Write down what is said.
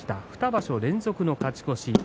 ２場所連続の勝ち越し。